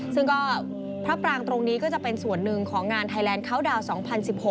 ซึ่งก็พระปรางตรงนี้ก็จะเป็นส่วนหนึ่งของงานไทยแลนด์เขาดาวน์๒๐๑๖